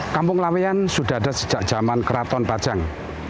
kampung lawean sudah ada sejak zaman keraton pajang